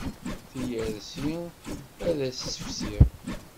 Tiyersi ad as-tt-fsiɣ.